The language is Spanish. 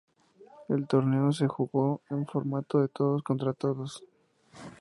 El torneo se jugó en formato de todos contra todos.